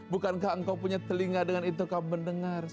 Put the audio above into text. bukankah engkau punya telinga dengan itu kau mendengar